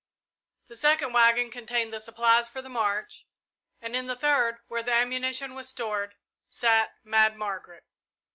The second waggon contained the supplies for the march; and in the third, where the ammunition was stored, sat Mad Margaret.